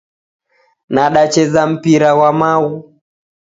Nadacheza mpira ghwa maghu